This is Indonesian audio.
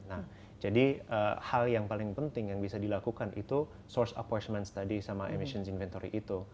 nah jadi hal yang paling penting yang bisa dilakukan itu source appoachment study sama emission jintory itu